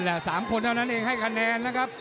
นั่นแหละ๓คนเท่านั้นเองให้คะแนนนะครับ